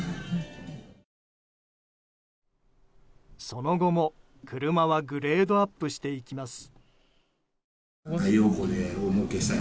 その後も車はグレードアップしていきます。